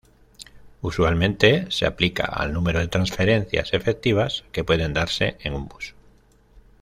Usualmente se aplica al número de transferencias efectivas, que pueden darse en un bus.